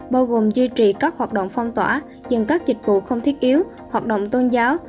bao gồm duy trì các hoạt động phong tỏa dừng các dịch vụ không thiết yếu hoạt động tôn giáo